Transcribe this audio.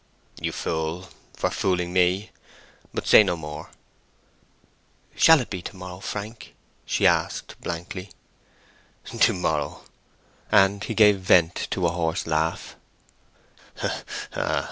"You fool, for so fooling me! But say no more." "Shall it be to morrow, Frank?" she asked blankly. "To morrow!" and he gave vent to a hoarse laugh.